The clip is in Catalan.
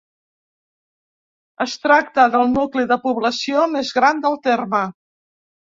Es tracta del nucli de població més gran del terme.